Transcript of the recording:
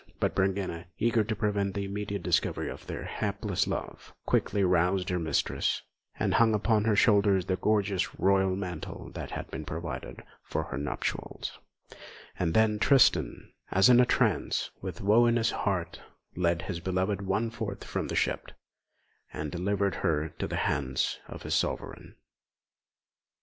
But Brangæna, eager to prevent the immediate discovery of their hapless love, quickly roused her mistress, and hung upon her shoulders the gorgeous royal mantle that had been provided for her nuptials; and then Tristan, as in a trance, with woe in his heart, led his beloved one forth from the ship, and delivered her into the hands of his Sovereign.